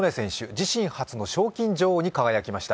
自身初の賞金女王に輝きました。